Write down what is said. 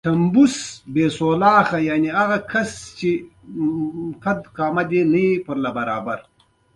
ناروغ هم باید د ډاکټر لارښوونې په دقت تعقیب کړي.